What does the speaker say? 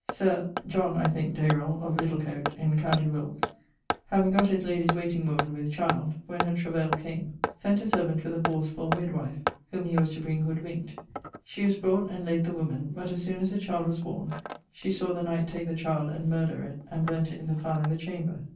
Sir ... (John, I think) Dayrell, of Littlecote, in com. Wilts, having gott his ladie's waiting woman with child, when her travell came, sent a servant with a horse for a midwife, whom he was to bring hood winked. She was brought, and layd the woman, but as soon as the child was borne, she sawe the knight take the child and murther it, and burnt it in the fire in the chamber.